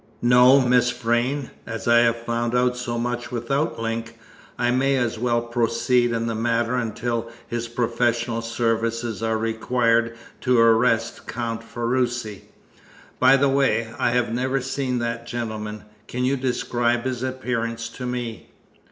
"No, Miss Vrain. As I have found out so much without Link, I may as well proceed in the matter until his professional services are required to arrest Count Ferruci. By the way, I have never seen that gentleman. Can you describe his appearance to me?"